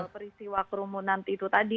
peristiwa kerumunan itu tadi